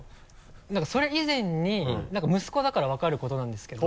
何かそれ以前に息子だから分かることなんですけど。